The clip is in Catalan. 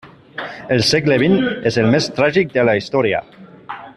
El segle vint és el més tràgic de la història.